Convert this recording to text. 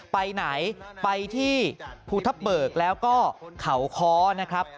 ไปไหนไปที่ภูทับเบิกแล้วก็เขาค้อนะครับ